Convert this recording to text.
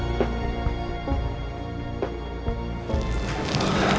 tidak ada apa apa